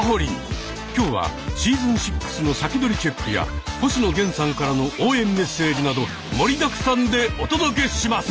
今日はシーズン６の先取りチェックや星野源さんからの応援メッセージなど盛りだくさんでお届けします！